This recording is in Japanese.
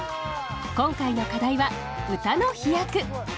今回の課題は「歌の飛躍」。